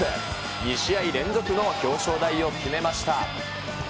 ２試合連続の表彰台を決めました。